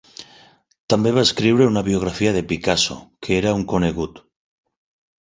També va escriure una biografia de Picasso, que era un conegut.